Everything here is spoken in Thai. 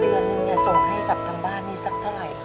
เดือนหนึ่งส่งให้กับทางบ้านนี่สักเท่าไหร่ครับ